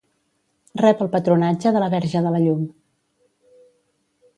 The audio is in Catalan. Rep el patronatge de la Verge de la Llum.